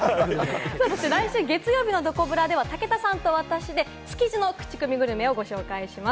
来週月曜日のどこブラでは、武田さんと私で築地の口コミグルメをご紹介します。